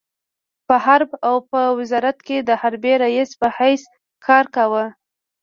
په حرب په وزارت کې د حربي رئيس په حیث کار کاوه.